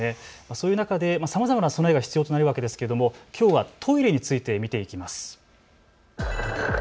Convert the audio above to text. そういう中でさまざまな備えが必要となるわけですけども、きょうは、トイレについて見ていきます。